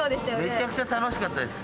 めちゃくちゃ楽しかったです。